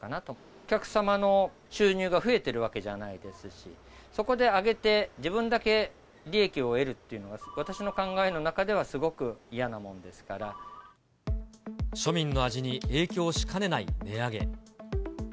お客様の収入が増えてるわけじゃないですし、そこで上げて、自分だけ利益を得るっていうのは、私の考えの中ではすごく嫌なもん庶民の味に影響しかねない値上げ。